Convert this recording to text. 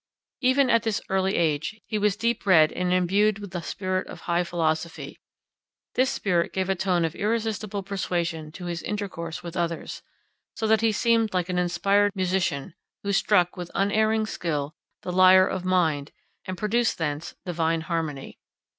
Even at this early age, he was deep read and imbued with the spirit of high philosophy. This spirit gave a tone of irresistible persuasion to his intercourse with others, so that he seemed like an inspired musician, who struck, with unerring skill, the "lyre of mind," and produced thence divine harmony.